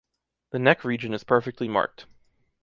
The neck region is perfectly marked.